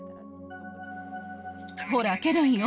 ほら、ケレンよ。